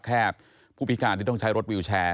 ผู้พิการที่ต้องใช้รถวิวแชร์